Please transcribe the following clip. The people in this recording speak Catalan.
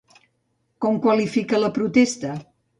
Com qualifica la protesta?